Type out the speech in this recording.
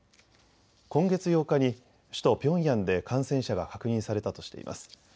今月８日に首都ピョンヤンで感染者が確認されたとしています。